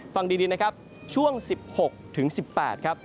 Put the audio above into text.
ฟังดีนะครับช่วง๑๖ถึง๑๘ครับ